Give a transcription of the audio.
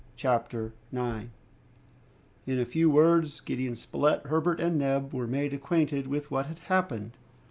Chapter 9 In a few words, Gideon Spilett, Herbert, and Neb were made acquainted with what had happened.